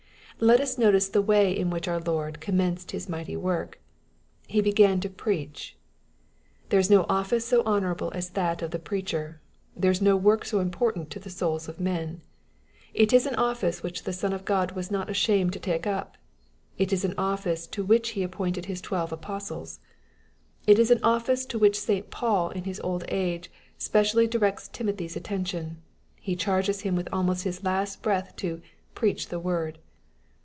Let us notice the way in which our Lord commenced His mighty work. " He began to preach.*' There is no office so honorable as that of the preacher. There is no work so important to the souls of men« It ia an office which the Son of God was not ashamed to take up. It is an office to which He appointed His twelve apostles. It is an office to which St. Paul in his old age specially directs Timothy's attention. He chaiges him with almost his last breath to " preach the word."